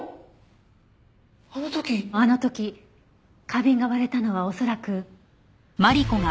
あの時花瓶が割れたのは恐らく。